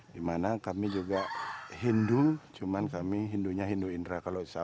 di mana kami juga hindu cuman kami hindu nya hindu indra